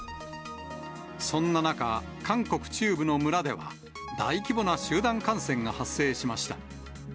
そんな中、韓国中部の村では、大規模な集団感染が発生しました。